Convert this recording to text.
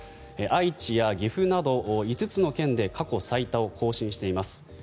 愛知や岐阜など５つの県で過去最多を更新しています。